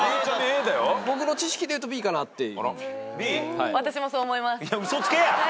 僕の知識でいうとＢかなって。